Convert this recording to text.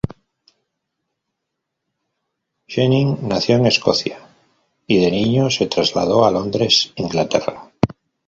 Jennings nació en Escocia y de niño se trasladó a Londres, Inglaterra.